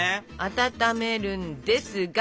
温めるんですが。